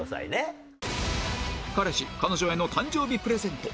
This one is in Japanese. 彼氏・彼女への誕生日プレゼント